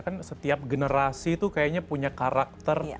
kan setiap generasi tuh kayaknya punya karakter